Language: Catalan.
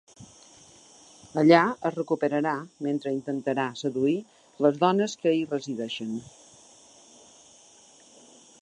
Allà es recuperarà mentre intentarà seduir les dones que hi resideixen.